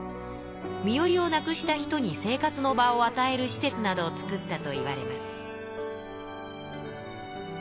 身寄りを無くした人に生活の場をあたえる施設などを作ったといわれます。